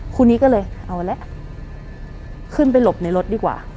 ครูนี้ก็เลยเอาละขึ้นไปหลบในรถดีกว่า